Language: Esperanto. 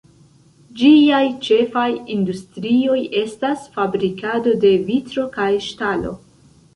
Ĝiaj ĉefaj industrioj estas fabrikado de vitro kaj ŝtalo.